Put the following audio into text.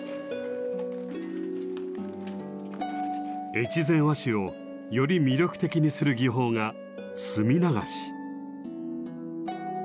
越前和紙をより魅力的にする技法が「墨流し」。